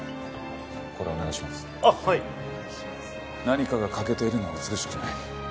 何かが欠けているのは美しくない。